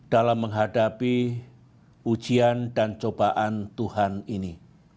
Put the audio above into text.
dalam menghadapi ujian dan cobaan tuhan ini